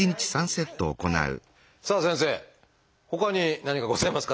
さあ先生ほかに何かございますか？